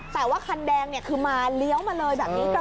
แต่ว่าคันแดงคือมาเลี้ยวมาเลยแบบนี้